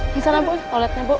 bisa nabuk toiletnya bu